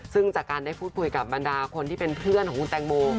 ซึ่งจากการได้พูดคุยกับบรรดาคนที่เป็นเพื่อนของคุณแตงโม